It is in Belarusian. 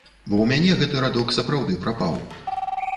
Бо ў мяне гэты радок сапраўды прапаў.